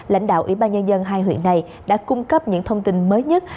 lãnh đạo ủy ban nhân dân hai huyện này đã cung cấp những thông tin mới nhất